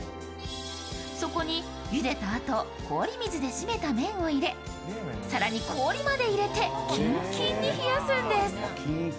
そこにゆでたあと、氷水で締めた麺を入れ更に氷まで入れて、キンキンに冷やすんです。